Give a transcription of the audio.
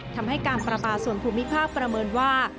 ทำให้การประปาส่วนภูมิภาคประเมินว่า